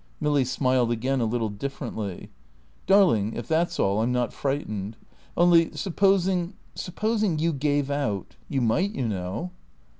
Milly smiled again, a little differently. "Darling, if that's all, I'm not frightened. Only supposing supposing you gave out? You might, you know."